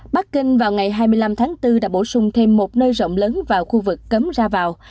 bắc kinh vào ngày hai mươi năm tháng bốn đã bổ sung thêm một nơi rộng lớn vào khu vực cấm ra vào